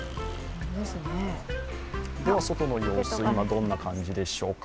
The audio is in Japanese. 外の様子、今、どんな感じでしょうか。